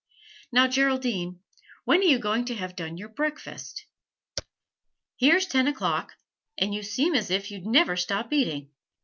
'Now, Geraldine, when are you going to have done your breakfast? Here's ten o'clock, and you seem as if you'd never stop eating.